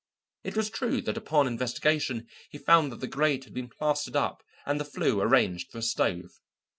It was true that upon investigation he found that the grate had been plastered up and the flue arranged for a stove.